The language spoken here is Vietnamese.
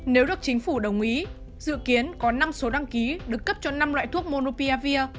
nếu được chính phủ đồng ý dự kiến có năm số đăng ký được cấp cho năm loại thuốc monopiavir